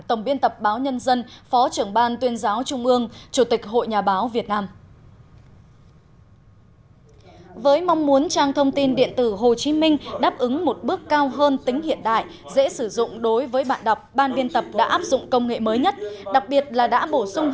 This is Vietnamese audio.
tổng biên tập báo nhân dân phó trưởng ban tuyên giáo trung ương chủ tịch hội nhà báo việt nam